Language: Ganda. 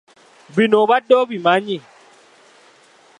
Bino obadde obimanyi?